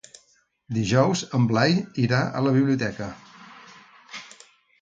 Dijous en Blai irà a la biblioteca.